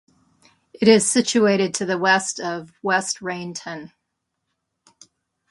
It is situated to the west of West Rainton.